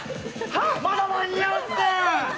まだ間に合うって！